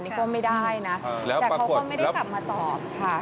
นี่ก็ไม่ได้นะแต่เขาก็ไม่ได้กลับมาตอบค่ะ